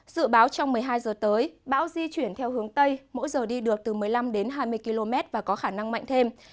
dự báo trong một mươi hai giờ tới bão di chuyển theo hướng tây mỗi giờ đi được từ một mươi năm đến hai mươi km và có khả năng mạnh thêm